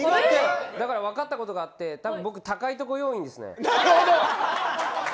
だから分かったことがあってだから僕、高い所要員ですね。